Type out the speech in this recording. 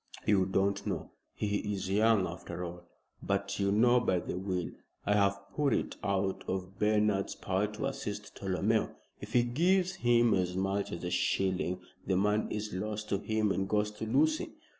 "You don't know. He is young after all. But you know, by the will, I have put it out of Bernard's power to assist Tolomeo. If he gives him as much as a shilling the money is lost to him and goes to Lucy."